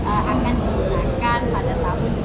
akan digunakan pada tahun